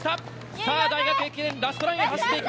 さあ大学駅伝ラストラン